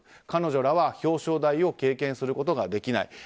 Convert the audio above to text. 彼女らは表彰台を経験することができない。